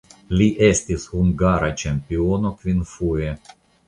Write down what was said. Li estis hungara ĉampiono kvinfoje.